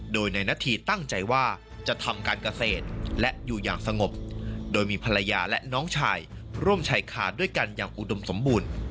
โดยในนาธีตั้งใจว่าจะทำการเกษตรและอยู่อย่างสงบโดยมีภรรยาและน้องชายร่วมชายขาดด้วยกันอย่างอุดมสมบูรณ์